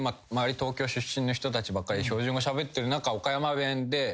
東京出身の人たちばっかりで標準語しゃべってる中岡山弁で。